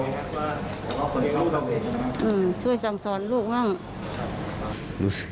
อืมช่วยสั่งสอนลูกมาก